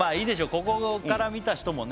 ここから見た人もね